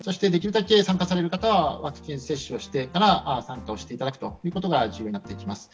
参加される方はワクチン接種をしてから参加をしていただくということが重要になってきます。